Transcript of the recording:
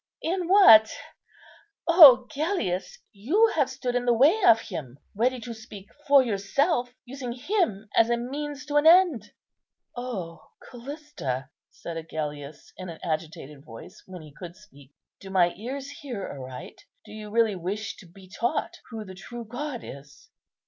in what? O Agellius, you have stood in the way of Him, ready to speak for yourself, using Him as a means to an end." "O Callista," said Agellius, in an agitated voice, when he could speak, "do my ears hear aright? do you really wish to be taught who the true God is?"